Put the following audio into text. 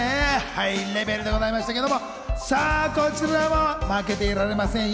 ハイレベルでございましたけど、こちらも負けていられませんよ。